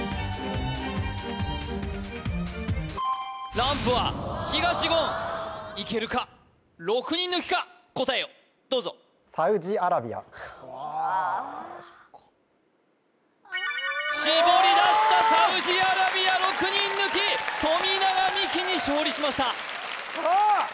ランプは東言いけるか６人抜きか答えをどうぞ・ああ・そっかしぼり出したサウジアラビア６人抜き富永美樹に勝利しましたさあ